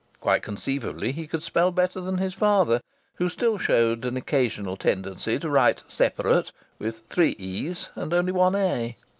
Quite conceivably he could spell better than his father, who still showed an occasional tendency to write "separate" with three "e's" and only one "a."